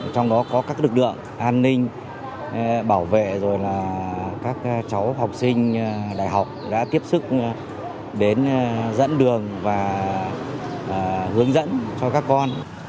trong đó có các lực lượng an ninh bảo vệ rồi là các cháu học sinh đại học đã tiếp sức đến dẫn đường và hướng dẫn cho các con